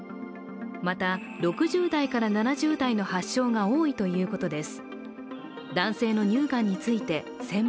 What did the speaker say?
また、６０代から７０代の発症が多いということです。